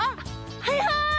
はいはい！